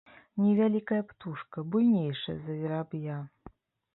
Невялікая птушка буйнейшая за вераб'я.